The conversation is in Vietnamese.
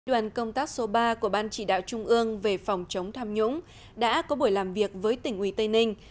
đoàn công tác số ba của ban chỉ đạo trung ương về phòng chống tham nhũng đã có buổi làm việc với tỉnh ủy tây ninh